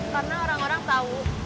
karena orang orang tau